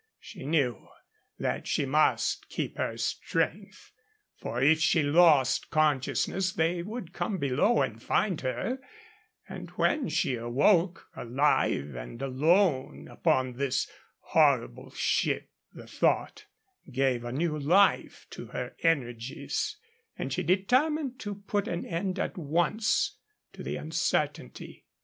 She knew that she must keep her strength, for if she lost consciousness they would come below and find her; and when she awoke alive and alone upon this horrible ship The thought gave a new life to her energies, and she determined to put an end at once to the uncertainty.